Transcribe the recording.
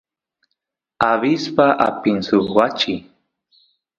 abispa apin suk wachi